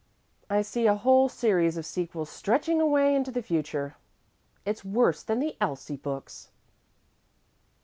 "I see a whole series of sequels stretching away into the future. It's worse than the Elsie Books!"